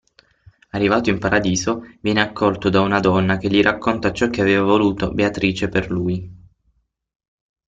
Arrivato in Paradiso viene accolto da una donna che gli racconta ciò che aveva voluto Beatrice per lui.